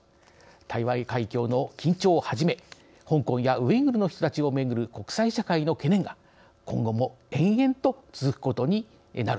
台湾海峡の緊張をはじめ香港やウイグルの人たちをめぐる国際社会の懸念が今後も延々と続くことになる。